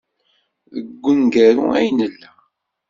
Deg wemgaru ay nella.